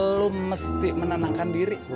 lo mesti menenangkan diri